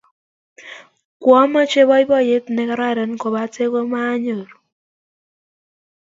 Kwomoche poipoyet ne kararan ,kopate komaanyoru